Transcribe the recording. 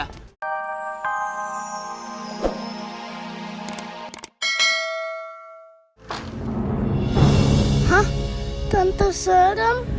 hah tante serem